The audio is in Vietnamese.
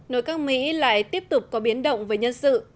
nội các mỹ lại tiếp tục có biến động về nhân sự